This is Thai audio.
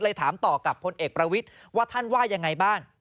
ถามต่อกับพลเอกประวิทย์ว่าท่านว่ายังไงบ้าง